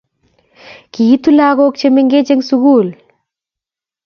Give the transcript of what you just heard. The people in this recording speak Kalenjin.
Kiitu lagok che mengech eng sukul